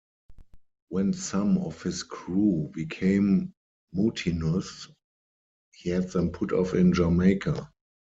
When some of his crew became mutinous, he had them put off in Jamaica.